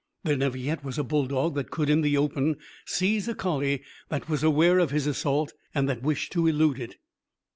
There never yet was a bulldog that could, in the open, seize a collie that was aware of his assault and that wished to elude it.